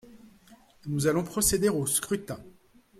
Nous allons procéder au scrutin.